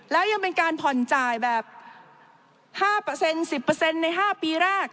แล้วยังเป็นการผ่อนจ่ายแบบ๕๑๐ใน๕ปีแรก